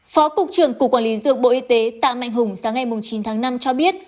phó cục trưởng cục quản lý dược bộ y tế tạ mạnh hùng sáng ngày chín tháng năm cho biết